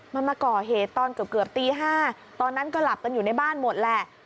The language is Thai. มันมาก่อเหตุตอนเกือบตี๕ตอนนั้นก็หลับกันอยู่ในบ้านหมดแหละ